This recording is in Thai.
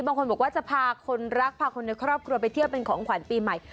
บางคนบอกว่าจะพาคนรักพาคนในครอบครัวไปเที่ยวเป็นของขวัญปีใหม่